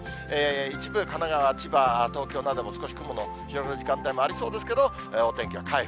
一部、神奈川、千葉、東京なども少し雲の広がる時間帯もありますけど、お天気は回復。